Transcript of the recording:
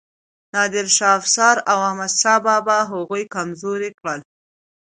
نادر شاه افشار او احمد شاه بابا هغوی کمزوري کړل.